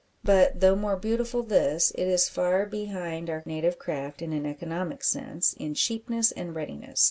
But, though more beautiful this, it is far behind our native craft in an economic sense in cheapness and readiness.